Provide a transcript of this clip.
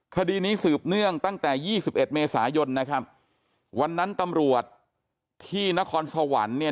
คดีนี้สืบเนื่องตั้งแต่ยี่สิบเอ็ดเมษายนนะครับวันนั้นตำรวจที่นครสวรรค์เนี่ย